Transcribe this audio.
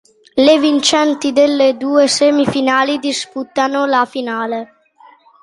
Le vincenti delle due semifinali disputano la finale.